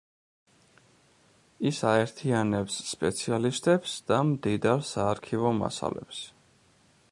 ის აერთიანებს სპეციალისტებს და მდიდარ საარქივო მასალებს.